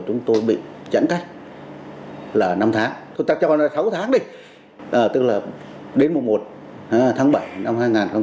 chúng ta chờ sáu tháng đi tức là đến mùa một tháng bảy năm hai nghìn hai mươi hai